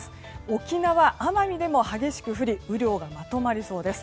沖縄・奄美でも激しく降り雨量がまとまりそうです。